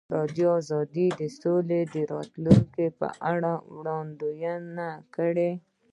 ازادي راډیو د سوله د راتلونکې په اړه وړاندوینې کړې.